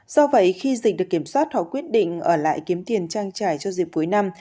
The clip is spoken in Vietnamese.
do vậy khi dịch được kiểm soát họ quyết định ở lại kiếm tiền trang trải cho dịp cuối năm